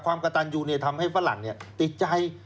ความกระตันยูเนี่ยทำให้ฝรั่งเนี่ยติดใจ